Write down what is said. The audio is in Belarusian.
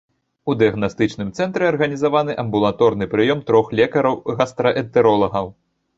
У дыягнастычным цэнтры арганізаваны амбулаторны прыём трох лекараў-гастраэнтэролагаў.